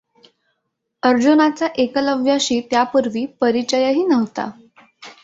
अर्जुनाचा एकलव्याशी त्यापूर्वी परिचयही नव्हता.